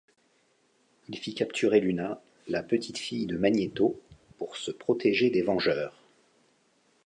Il fit capturer Luna, la petite-fille de Magnéto, pour se protéger des Vengeurs.